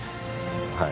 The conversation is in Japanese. はい。